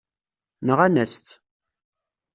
Nɣan-as-tt.